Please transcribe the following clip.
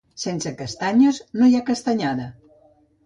Sense castanyes no hi ha Castanyada.